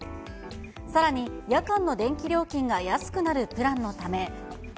さらに夜間の電気料金が安くなるプランのため。